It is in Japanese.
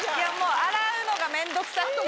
洗うのが面倒くさくて。